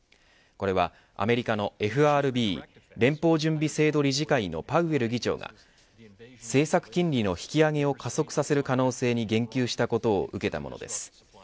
これはアメリカのＦＲＢ連邦準備制度理事会のパウエル議長が政策金利の引き上げを加速させる可能性に言及したことを受けたものです。